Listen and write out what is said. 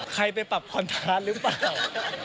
ใครไปปรับคอนทานหรือเปล่า